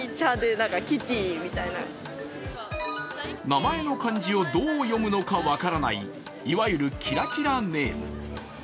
名前の漢字をどう読むのか分からない、いわゆるキラキラネーム。